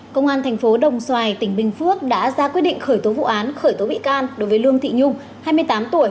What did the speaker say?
công an thành phố đồng xoài tỉnh bình phước đã ra quyết định khởi tố vụ án khởi tố bị can đối với lương thị nhung hai mươi tám tuổi